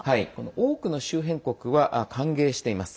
多くの周辺国は歓迎しています。